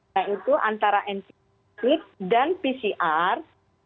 yaitu antara antigen rapid dan pcr